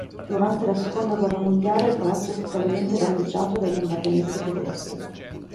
Durante la seconda guerra mondiale il Palazzo fu gravemente danneggiato dai bombardamenti tedeschi.